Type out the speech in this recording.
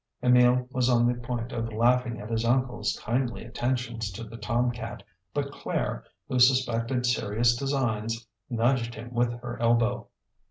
ŌĆØ Emile was on the point of laughing at his uncleŌĆÖs kindly attentions to the tom cat, but Claire, who suspected serious designs, nudged him with her elbow.